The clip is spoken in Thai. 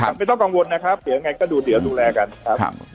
ไม่ต้องกังวลนะครับเดี๋ยวยังไงก็ดูเดี๋ยวดูแลกันครับ